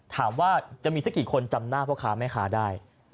ถามว่าจะมีสักกี่คนจำหน้าพ่อค้าแม่ค้าได้